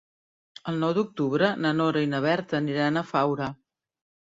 El nou d'octubre na Nora i na Berta aniran a Faura.